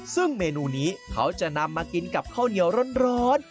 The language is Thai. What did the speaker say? ซึ่งเมนูนี้เขาจะนำมากินกับข้าวเหนียวร้อน